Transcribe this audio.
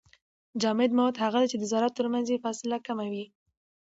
جامد مواد هغه دي چي د زراتو ترمنځ يې فاصله کمه وي.